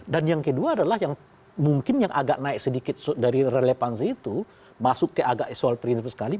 dan yang kedua adalah mungkin yang agak naik sedikit dari relevan itu masuk ke agak soal prinsip sekali